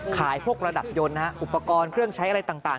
พวกระดับยนต์อุปกรณ์เครื่องใช้อะไรต่าง